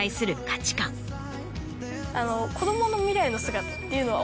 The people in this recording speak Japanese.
子供の未来の姿っていうのは大人なので。